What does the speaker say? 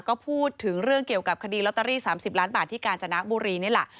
ก็พูดถึงเรื่องเกี่ยวกับคดีลอตเตอรี่๓๐ล้านบาทที่กาญจนบุรีนี่แหละ